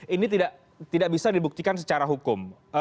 ini tidak bisa dibuktikan secara hukum